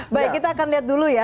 baik kita akan lihat dulu ya